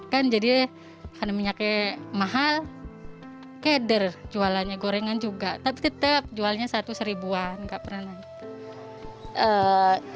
kan jadinya karena minyaknya mahal keder jualannya gorengan juga tapi tetep jualnya rp satu an nggak pernah lagi